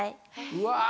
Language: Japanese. うわ。